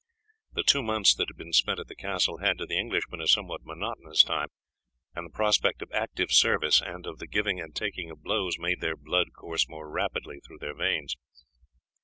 The two months that had been spent at the castle had, to the English, been a somewhat monotonous time, and the prospect of active service and of the giving and taking of blows made their blood course more rapidly through their veins.